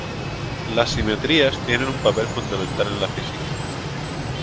Las simetrías tienen un papel fundamental en la física.